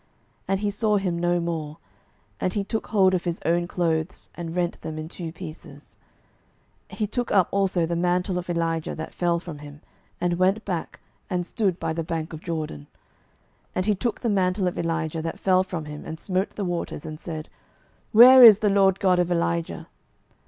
And he saw him no more: and he took hold of his own clothes, and rent them in two pieces. 12:002:013 He took up also the mantle of Elijah that fell from him, and went back, and stood by the bank of Jordan; 12:002:014 And he took the mantle of Elijah that fell from him, and smote the waters, and said, Where is the LORD God of Elijah?